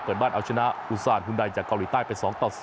เปิดบ้านเอาชนะอุซานฮุนไดจากเกาหลีใต้ไป๒ต่อ๐